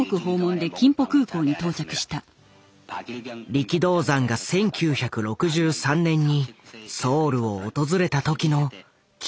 力道山が１９６３年にソウルを訪れた時の貴重な記録映像だ。